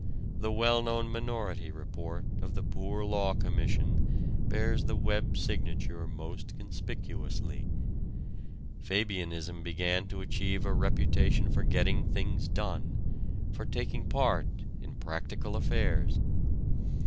The well known Minority Report of the Poor Law Commission bears the Webb signature most conspicuously. Fabianism began to achieve a reputation for getting things done for taking part in "practical affairs."